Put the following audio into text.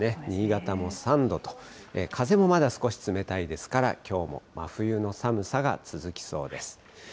新潟も３度と、風もまだ少し冷たいですから、きょうも真冬の寒さが続きそうです。